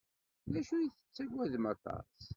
D acu i tettagadem aṭas?